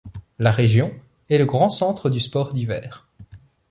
La région est le grand centre du sport d'hiver.